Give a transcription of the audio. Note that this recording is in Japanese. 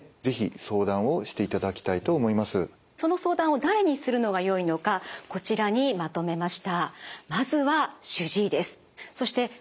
その相談を誰にするのがよいのかこちらにまとめました。